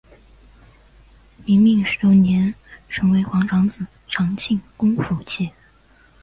明命十六年成为皇长子长庆公府妾。